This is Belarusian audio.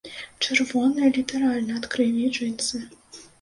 Чырвоныя літаральна ад крыві джынсы.